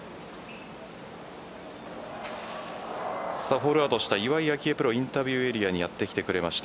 ホールアウトした岩井明愛プロインタビューエリアにやってきてくれました。